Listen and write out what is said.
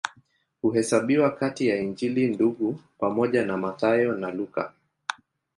Huhesabiwa kati ya Injili Ndugu pamoja na Mathayo na Luka.